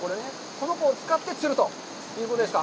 この子を使って釣るということですか。